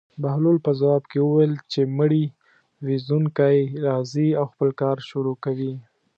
بهلول په ځواب کې وویل: چې مړي وينځونکی راځي او خپل کار شروع کوي.